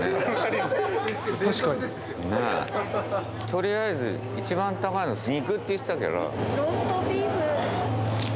取りあえず一番高いの肉って言ってた。